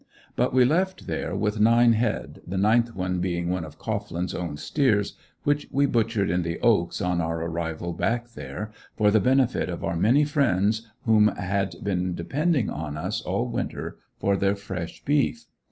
But we left there with nine head, the ninth one being one of Cohglin's own steers which we butchered in the Oaks on our arrival back there, for the benefit of our many friends whom had been depending on us all winter for their fresh beef.